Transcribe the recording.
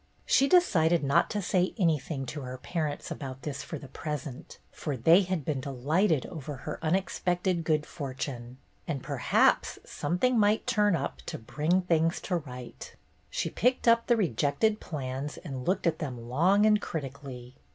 She decided not to say anything to her parents about this for the present, for they had been delighted over her unexpected good fortune, and perhaps something might turn up to bring things to rights. MISS SNELL 197 She picked up the rejected plans and looked at them long and critically.